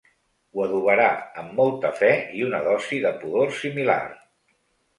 Ho adobarà amb molta fe i una dosi de pudor similar.